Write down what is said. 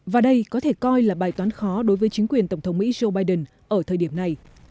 và đây có thể coi là bài toán khó đối với chính quyền tổng thống mỹ joe biden ở thời điểm này